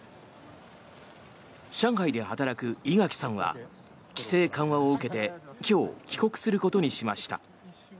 上海で働く井垣さんは規制緩和を受けて今日、帰国することにしました。